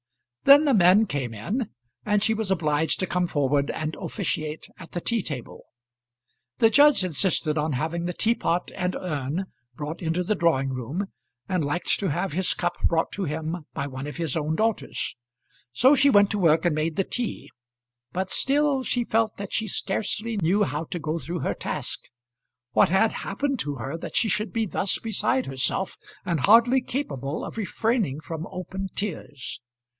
Then the men came in, and she was obliged to come forward and officiate at the tea table. The judge insisted on having the teapot and urn brought into the drawing room, and liked to have his cup brought to him by one of his own daughters. So she went to work and made the tea; but still she felt that she scarcely knew how to go through her task. What had happened to her that she should be thus beside herself, and hardly capable of refraining from open tears?